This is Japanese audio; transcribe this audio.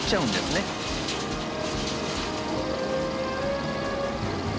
ねえ。